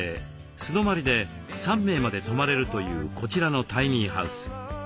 素泊まりで３名まで泊まれるというこちらのタイニーハウス。